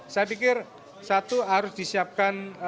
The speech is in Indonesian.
saya pikir satu harus disiapkan